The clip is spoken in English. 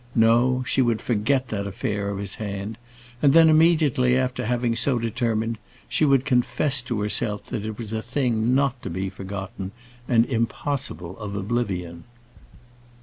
No; she would forget that affair of his hand; and then, immediately after having so determined, she would confess to herself that it was a thing not to be forgotten, and impossible of oblivion.